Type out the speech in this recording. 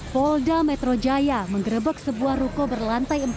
polda metro jaya menggerebek sebuah ruko berlantai empat